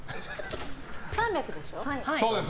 ３００でしょ。